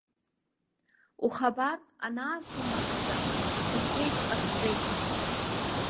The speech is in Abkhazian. Ухабарк анаасумырҳаӡа, уцахьеит ҟасҵеит.